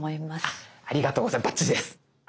あっありがとうございますバッチリです。